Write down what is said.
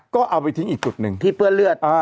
ก็เอาไปทิ้งอีกจุดหนึ่งที่เปื้อนเลือด